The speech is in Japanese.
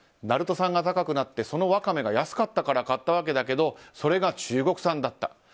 鳴門産が高くなってそのワカメが安かったから買ったわけだけどそれが中国産だった。